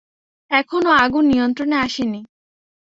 এখনো আগুন নিয়ন্ত্রণে আসেনি।